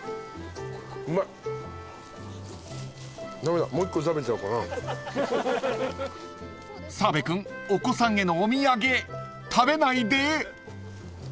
［澤部君お子さんへのお土産食べないで！］